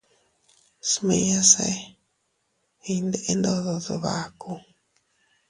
Smiñase iyndeʼe ndodo dbaku.